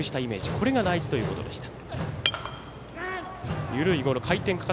これが大事ということでした。